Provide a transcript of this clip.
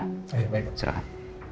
baik pak silahkan